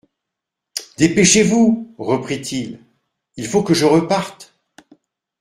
Dépêchez-vous, reprit-il, il faut que je reparte.